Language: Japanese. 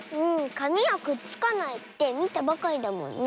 かみはくっつかないってみたばかりだもんね。